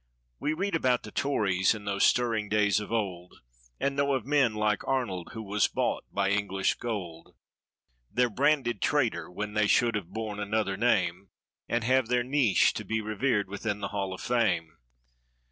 We read about the "tories" in those stirring days of old; We know of men like Arnold who was bought by English gold; They're branded "traitor" when they should have borne another name. And have their niche to be revered within the Hall of Fame.